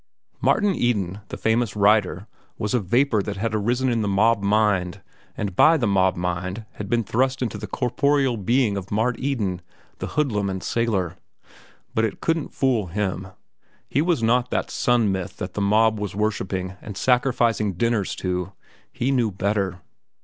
Martin Eden, the famous writer, was a vapor that had arisen in the mob mind and by the mob mind had been thrust into the corporeal being of Mart Eden, the hoodlum and sailor. But it couldn't fool him. He was not that sun myth that the mob was worshipping and sacrificing dinners to. He knew better.